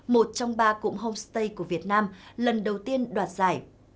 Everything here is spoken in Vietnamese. một trong ba cụm homestay của việt nam lần đầu tiên đoạt giải